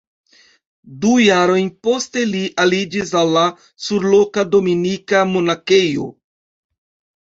Du jarojn poste li aliĝis al la surloka dominikana monakejo.